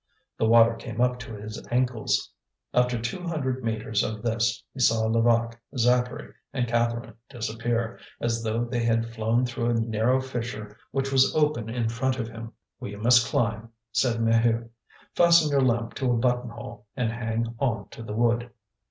The water came up to his ankles. After two hundred metres of this, he saw Levaque, Zacharie, and Catherine disappear, as though they had flown through a narrow fissure which was open in front of him. "We must climb," said Maheu. "Fasten your lamp to a button hole and hang on to the wood."